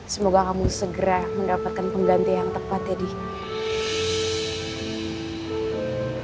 semoga kamu segera mendapatkan pengganti yang tepat ya dih